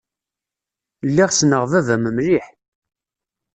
Lliɣ ssneɣ baba-m mliḥ.